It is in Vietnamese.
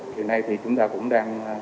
thì nay thì chúng ta cũng đang